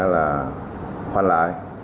là khoanh lại